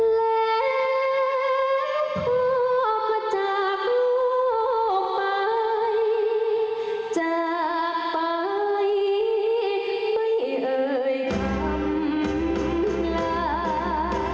แล้วพวกมันจากลูกไปจากไปไปเอ่ยคำหลาด